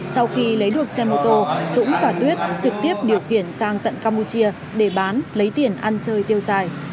sau khi lấy được xe mô tô dũng và tuyết trực tiếp điều khiển sang tận campuchia để bán lấy tiền ăn chơi tiêu xài